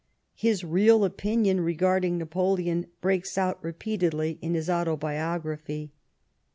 His real opinion regarding Napoleon breaks out repeatedly in his Autobiography.